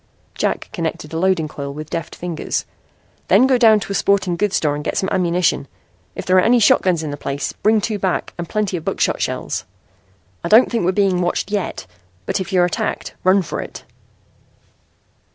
Jack connected a loading coil with deft fingers. "Then go down to a sporting goods store and get some ammunition. If there are any shotguns in the place bring two back with plenty of buckshot shells. I don't think we're being watched yet, but if you're attacked, run for it."